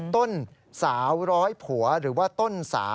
ต้นสาวร้อยผัวหรือว่าต้นสาว